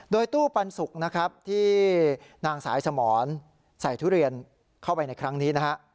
โดยตู้ปันสุกนะครับที่นางสายสมรใส่ทุเรียนเข้าไปในครั้งนี้นะฮะ